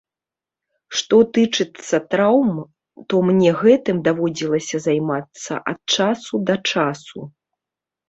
Што тычыцца траўм, то мне гэтым даводзілася займацца ад часу да часу.